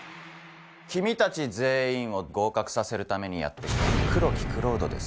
君たち全員を合格させるためにやって来た黒木蔵人です。